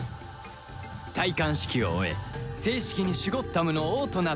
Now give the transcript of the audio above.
戴冠式を終え正式にシュゴッダムの王となったギラ